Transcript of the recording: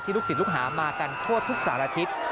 ลูกศิษย์ลูกหามากันทั่วทุกสารทิศ